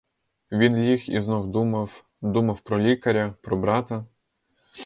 Він ліг і знов думав, думав про лікаря, про брата.